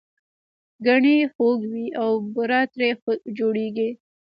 ګنی خوږ وي او بوره ترې جوړیږي